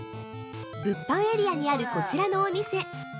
◆物販エリアにあるこちらのお店！